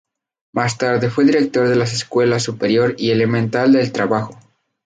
Más tarde fue director de las Escuelas Superior y Elemental de Trabajo.